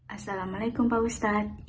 assalamualaikum pak ustadz